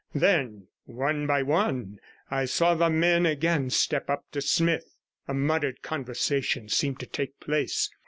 29 Then, one by one, I saw the men again step up to Smith. A muttered conversation seemed to take place.